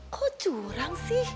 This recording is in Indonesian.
kok curang sih